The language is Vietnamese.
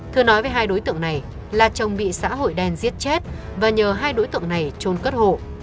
thưa nói với hai đối tượng này là chồng bị xã hội đen giết chết và nhờ hai đối tượng này trôn cất hộ